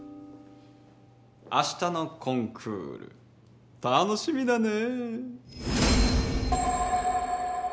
あしたのコンクール楽しみだねぇ。